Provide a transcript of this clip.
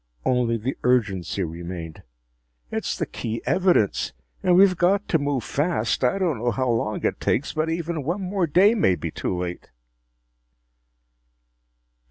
Only the urgency remained. "It's the key evidence. And we've got to move fast! I don't know how long it takes, but even one more day may be too late!"